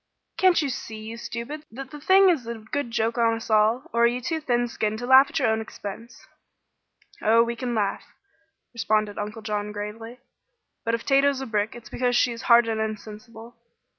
"Can't you see, you stupids, that the thing is a good joke on us all? Or are you too thin skinned to laugh at your own expense?" "Oh, we can laugh," responded Uncle John, gravely. "But if Tato's a brick it's because she is hard and insensible.